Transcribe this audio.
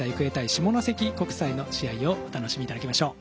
下関国際の試合をお楽しみ頂きましょう。